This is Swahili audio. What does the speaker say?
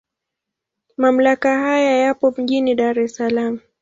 Mamlaka haya yapo mjini Dar es Salaam.